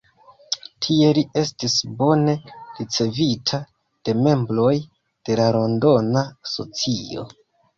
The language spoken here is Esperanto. Tie li estis bone ricevita de membroj de la Londona socio.